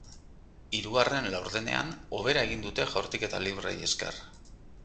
Hirugarren laurdenean, hobera egin dute jaurtiketa libreei esker.